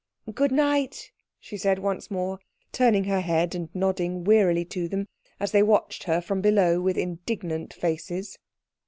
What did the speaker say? "Good night," she said once more, turning her head and nodding wearily to them as they watched her from below with indignant faces.